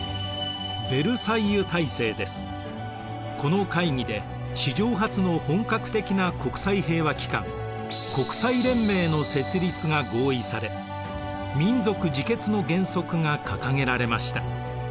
この会議で史上初の本格的な国際平和機関国際連盟の設立が合意され民族自決の原則が掲げられました。